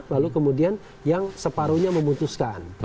lalu kemudian yang separuhnya memutuskan